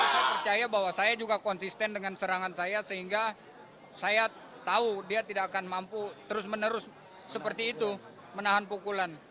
saya percaya bahwa saya juga konsisten dengan serangan saya sehingga saya tahu dia tidak akan mampu terus menerus seperti itu menahan pukulan